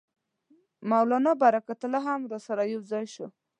مولنا برکت الله هم راسره یو ځای شو.